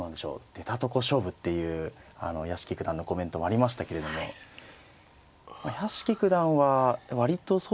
出たとこ勝負っていう屋敷九段のコメントもありましたけれども屋敷九段は割とそうですね